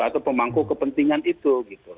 atau pemangku kepentingan itu